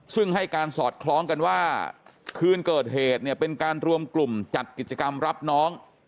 ซึ่งให้การสอดคล้องกันว่าคืนเกิดเหตุเนี่ยเป็นการรวมกลุ่มจัดกิจกรรมรับน้อง